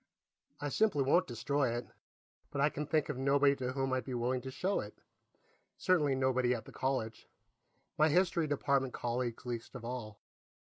I simply won't destroy it, but I can think of nobody to whom I'd be willing to show it certainly nobody at the college, my History Department colleagues least of all.